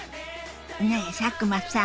ねえ佐久間さん。